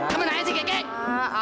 si kiki di kemana